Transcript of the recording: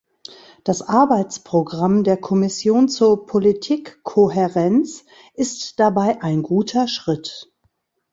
Das Arbeitsprogramm der Kommission zur Politikkohärenz ist dabei ein guter Schritt.